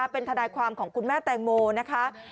เป็นทนายความของคุณแม่แตงโมนะคะ